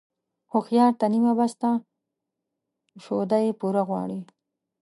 هوښيار ته نيمه بس ده ، شوده يې پوره غواړي.